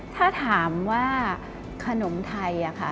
ถ้าถามว่าขนมไทยค่ะ